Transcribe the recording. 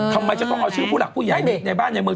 ทำไมจะต้องเอาชื่อผู้หลักผู้ใหญ่เด็กในบ้านในเมือง